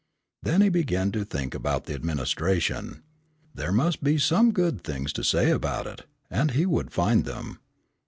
Then he began to think about the administration. There must be some good things to say for it, and he would find them.